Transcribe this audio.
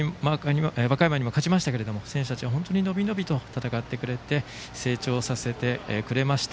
和歌山に勝ちましたけれども選手たちは本当にのびのびと戦ってくれて成長させてくれました。